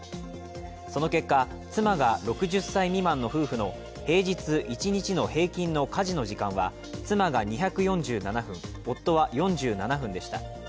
その結果、妻が６０歳未満の夫婦の平均１日の平均の家事の時間は妻が２４７分、夫は４７分でした。